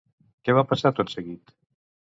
Què va passar tot seguit?